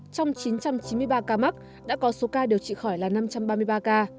trong chín trăm chín mươi ba ca mắc đã có số ca điều trị khỏi là năm trăm ba mươi ba ca